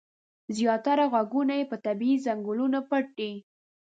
زیاتره غرونه یې په طبیعي ځنګلونو پټ دي.